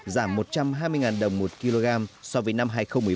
giảm một trăm hai mươi đồng một kg so với năm hai nghìn một mươi bảy